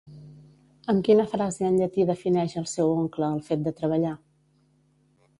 Amb quina frase en llatí defineix el seu oncle el fet de treballar?